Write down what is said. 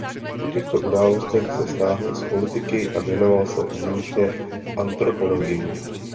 Po těchto událostech se stáhl z politiky a věnoval se výlučně antropologii.